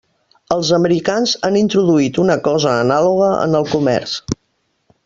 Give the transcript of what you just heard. Els americans han introduït una cosa anàloga en el comerç.